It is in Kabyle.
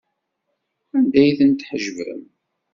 Anda ay ten-tḥejbem?